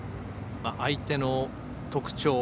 相手の特徴